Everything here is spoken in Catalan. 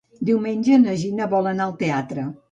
Diumenge na Gina vol anar al teatre.